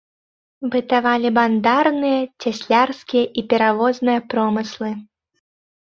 Бытавалі бандарныя, цяслярскія і перавозныя промыслы.